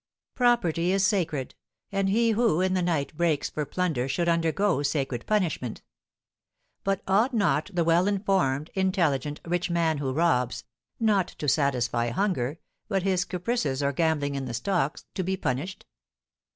Property is sacred, and he who, in the night, breaks for plunder should undergo sacred punishment. But ought not the well informed, intelligent, rich man who robs not to satisfy hunger, but his caprices or gambling in the stocks to be punished?